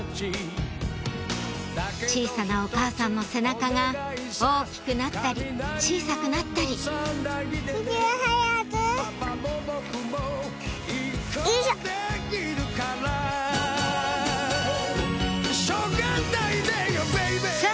小さなお母さんの背中が大きくなったり小さくなったりさぁ